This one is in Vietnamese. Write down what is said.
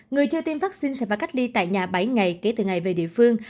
người chưa tiêm vaccine sẽ phải cách ly tại nhà bảy ngày kể từ ngày về địa phương